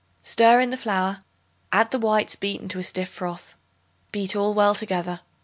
Stir in the flour; add the whites beaten to a stiff froth. Beat all well together.